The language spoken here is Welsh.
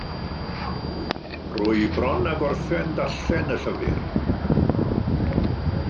Rwy bron â gorffen darllen y llyfr.